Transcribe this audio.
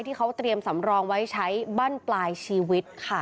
ที่เขาเตรียมสำรองไว้ใช้บั้นปลายชีวิตค่ะ